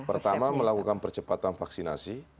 pertama melakukan percepatan vaksinasi